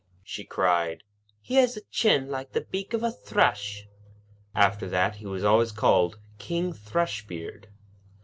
she cried, 'he has a chin like the beak of a thrush.' After that, he was always called 'King Thrushbeard.'